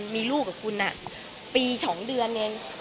มีลูกกับคุณอ่ะปี๒เดือนเนี่ย